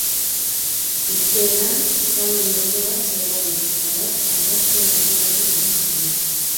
Irteeran zale multzo bat zegoen eta bat argazkiak ateratzen hasi zen.